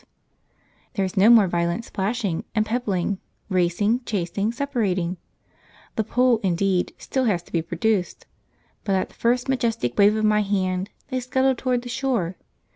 {One can always be a Goose Girl: p53.jpg} There is no more violent splashing and pebbling, racing, chasing, separating. The pole, indeed, still has to be produced, but at the first majestic wave of my hand they scuttle toward the shore.